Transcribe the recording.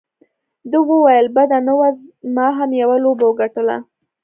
ده وویل: بده نه وه، ما هم یوه لوبه وګټله.